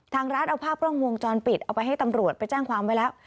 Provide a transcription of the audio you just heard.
ทางร้านเอาภาพกล้องวงจรปิดเอาไปให้ตำรวจไปแจ้งความไว้แล้ว